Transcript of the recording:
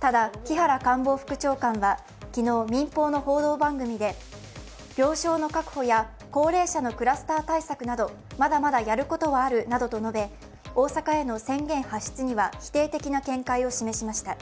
ただ、木原官房副長官は昨日民放の報道番組で病床の確保や高齢者のクラスター対策などまだまだやることはあるなどと述べ大阪への宣言発出には否定的な見解を示しました。